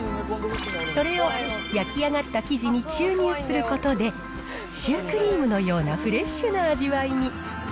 それを焼き上がった生地に注入することで、シュークリームのようなフレッシュな味わいに。